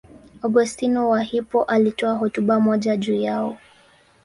Augustino wa Hippo alitoa hotuba moja juu yao.